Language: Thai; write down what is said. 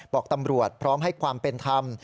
บอกตำรวจพร้อมให้ความเป็นธรรม